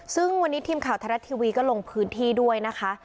ซึ่งวันนี้ทีมข่าวไทยรัฐทีวีก็ลงพื้นที่ด้วยนะคะ